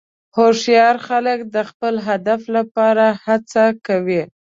هوښیار خلک د خپل هدف لپاره هڅه کوي.